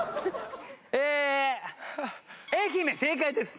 ええ愛媛正解です。